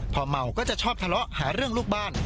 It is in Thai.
พอเมาก็จะชอบทะเลาะหาเรื่องลูกบ้าน